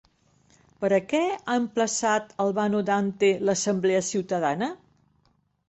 Per a què ha emplaçat Albano Dante l'assemblea ciutadana?